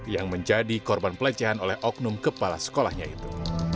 yang menjadi korban pelecehan oleh oknum kepala sekolahnya itu